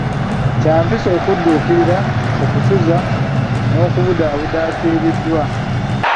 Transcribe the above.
Kya mpisa okudduukirira, okusuza n'okubudaabuda afiiriddwa.